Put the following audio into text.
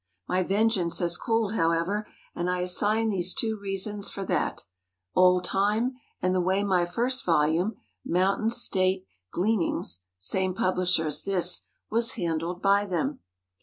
" My vengeance has cooled, however, and I assign these two reasons for that: Old Time, and the way my first volume, "Mountain State Glean¬ ings" (same publisher as this) was handled by them.